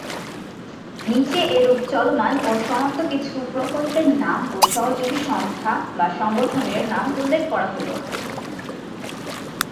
নিচে এরূপ চলমান ও সমাপ্ত কিছু প্রকল্পের নাম ও সহযোগী সংস্থা/সংগঠনের নাম উল্লেখ করা হল।